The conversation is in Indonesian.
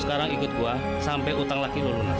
kamu ikut aku sampai hutang laki kamu lunas